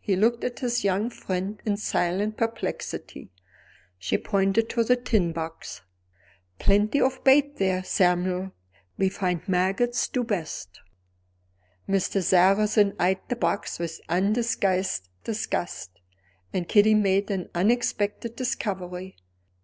He looked at his young friend in silent perplexity; she pointed to the tin box. "Plenty of bait there, Samuel; we find maggots do best." Mr. Sarrazin eyed the box with undisguised disgust; and Kitty made an unexpected discovery.